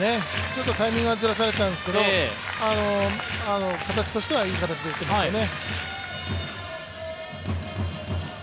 ちょっとタイミングはずらされたんですけど、形としては、いい形で打ってますよね。